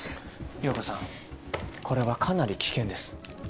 涼子さんこれはかなり危険です。